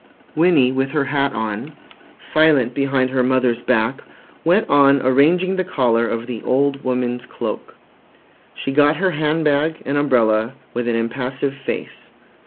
Winnie, with her hat on, silent behind her mother's back, went on arranging the collar of the old woman's cloak. She got her hand bag, an umbrella, with an impassive face.